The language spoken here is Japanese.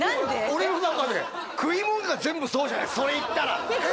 俺の中で食いもんが全部そうじゃないそれ言ったら！